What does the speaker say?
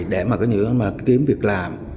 để kiếm việc làm